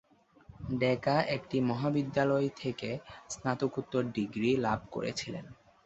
ডেকা একটি মহাবিদ্যালয় থেকে স্নাতকোত্তর ডিগ্রী লাভ করেছিলেন।